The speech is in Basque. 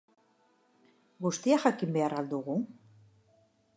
Guztia jakin behar al dugu?